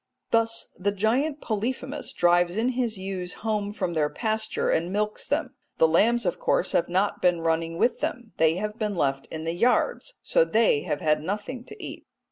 Thus the giant Polyphemus drives in his ewes home from their pasture, and milks them. The lambs of course have not been running with them; they have been left in the yards, so they have had nothing to eat.